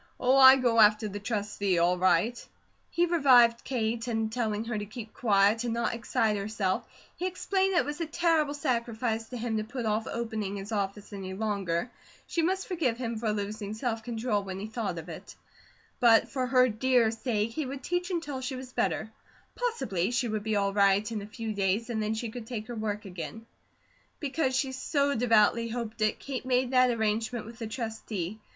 Oh, I go after the Trustee, all right!" He revived Kate, and telling her to keep quiet, and not excite herself, he explained that it was a terrible sacrifice to him to put off opening his office any longer; she must forgive him for losing self control when he thought of it; but for her dear sake he would teach until she was better possibly she would be all right in a few days, and then she could take her work again. Because she so devoutly hoped it, Kate made that arrangement with the Trustee.